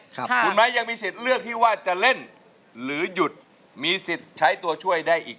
คุณไม้ยังมีสิทธิ์เลือกที่ว่าจะเล่นหรือหยุดมีสิทธิ์ใช้ตัวช่วยได้อีก